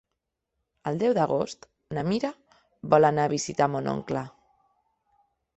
El deu d'agost na Mira vol anar a visitar mon oncle.